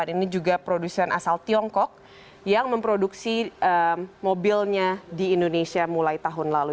ini juga produsen asal tiongkok yang memproduksi mobilnya di indonesia mulai tahun lalu